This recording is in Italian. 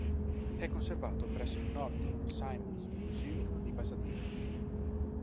È conservato presso il Norton Simon Museum di Pasadena.